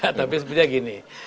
nah tapi sebetulnya gini